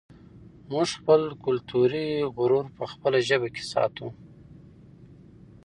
موږ خپل کلتوري غرور په خپله ژبه کې ساتو.